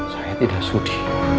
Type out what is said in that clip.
saya tidak sudi